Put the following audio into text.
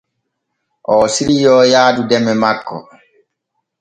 Oo siriyoo yaadu deme makko.